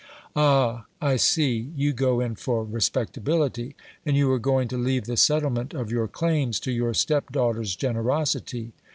"Ah, I see; you go in for respectability. And you are going to leave the settlement of your claims to your stepdaughter's generosity.